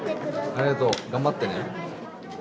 ありがとう。頑張ってね。